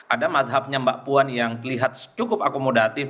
ada madhabnya mbak puan yang terlihat cukup akomodatif